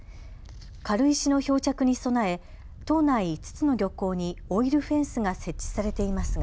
軽石の漂着に備え島内５つの漁港にオイルフェンスが設置されていますが。